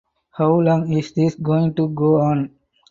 How long is this going to go on?